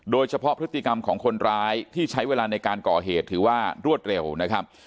โดยเฉพาะพฤติกรรมของคนร้ายที่ใช้เวลาในการก่อเหตุถือว่ารวดเร็วนะครับ